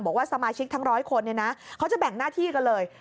บอกว่าสมาชิกทั้ง๑๐๐คนเขาจะแบ่งหน้าที่กันเลย